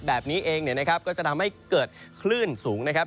แบบนี้เองเนี่ยนะครับก็จะทำให้เกิดคลื่นสูงนะครับ